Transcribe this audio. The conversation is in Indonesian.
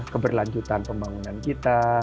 keberlanjutan pembangunan kita